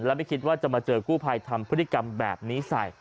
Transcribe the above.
และไม่คิดว่าจะมาเจอกู้ภัยทำพฤติกรรมแบบนี้ใส่